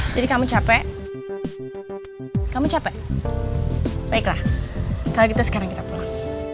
jadi kamu capek kamu capek baiklah kalau gitu sekarang kita pulang